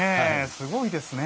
すごいですね